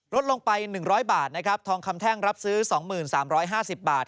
ลดลงไป๑๐๐บาทนะครับทองคำแท่งรับซื้อ๒๓๕๐บาท